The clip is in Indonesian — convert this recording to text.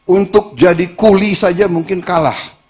untuk jadi kuli saja mungkin kalah